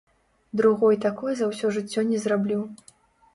Другой такой за ўсё жыццё не зраблю.